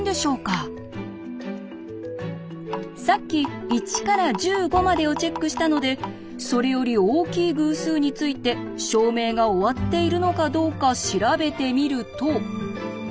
さっき１から１５までをチェックしたのでそれより大きい偶数について証明が終わっているのかどうか調べてみると。